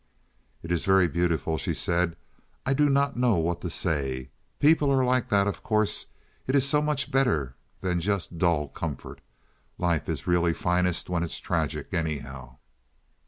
"It is very beautiful," she said; "I do not know what to say. People are like that, of course. It is so much better than just dull comfort. Life is really finest when it's tragic, anyhow."